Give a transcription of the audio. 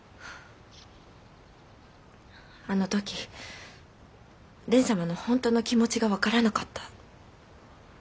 あの時蓮様の本当の気持ちが分からなかった。